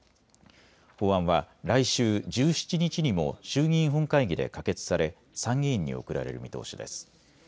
法案は来週１７日にも衆議院本会議で可決され参議院に送られる見通しです。